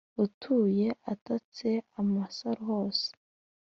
atuye atatse amasaro hose